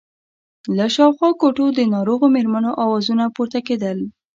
له شاوخوا کوټو د ناروغو مېرمنو آوازونه پورته کېدل.